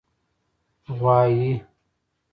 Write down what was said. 🐂 غوایی